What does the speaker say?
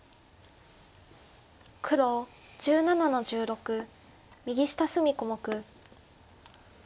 黒１７の十六右下隅小目。